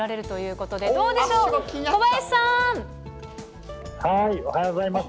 こちら、おはようございます。